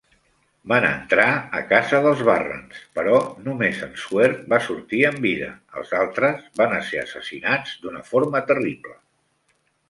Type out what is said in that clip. Van entrar a casa dels Barrens, però només en Suerd va sortir amb vida; els altres van ser assassinats d'una forma terrible.